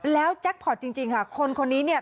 แล้วแจ็คพอร์ตจริงค่ะคนคนนี้เนี่ย